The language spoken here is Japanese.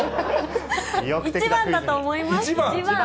１番だと思います。